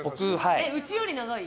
うちより長い？